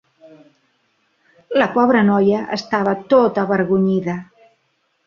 La pobra noia estava tota avergonyida.